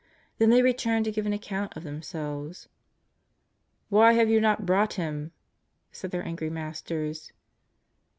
Then they returned to give an account of themselves. " Why have you not brought Him ?" said their angry masters.